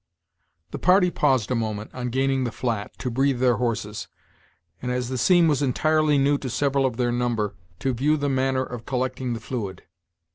The party paused a moment, on gaining the flat, to breathe their horses, and, as the scene was entirely new to several of their number, to view the manner of collecting the fluid.